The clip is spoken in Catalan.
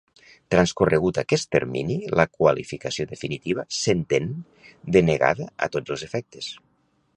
Transcorregut aquest termini la qualificació definitiva s'entén denegada a tots els efectes.